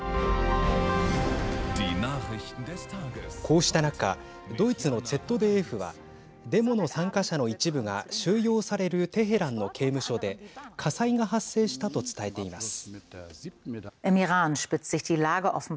こうした中、ドイツのＺＤＦはデモの参加者の一部が収容されるテヘランの刑務所で火災が発生したと伝えています。